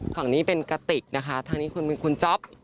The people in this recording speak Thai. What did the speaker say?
ฝั่งนี้เป็นกระติกนะคะฝั่งนี้คุณเป็นคุณจ๊อป